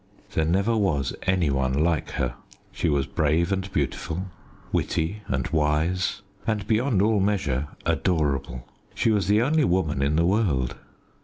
There never was any one like her. She was brave and beautiful, witty and wise, and beyond all measure adorable. She was the only woman in the world.